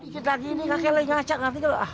dikit lagi ini kakek lagi ngacak nanti kalau ah